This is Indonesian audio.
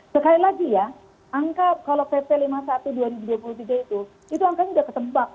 sekali lagi ya angka kalau pp lima puluh satu dua ribu dua puluh tiga itu itu angkanya sudah ketebak